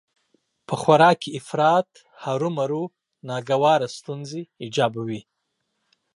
په خوراک کې افراط هرومرو ناګواره ستونزې ايجادوي